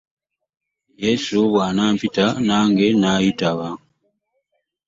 Yesu bw'anampita nange nayitaba.